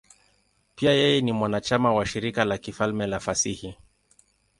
Pia yeye ni mwanachama wa Shirika la Kifalme la Fasihi.